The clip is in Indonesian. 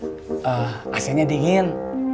eee asinnya dingin